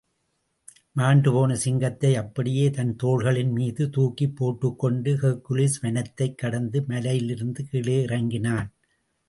மாண்டுபோன சிங்கத்தை அப்படியே தன் தோள்களின்மீது தூக்கிப் போட்டுக்கொண்டு, ஹெக்குலிஸ் வனத்தைக் கடந்து, மலையிலிருந்து இழே இறங்கினான்.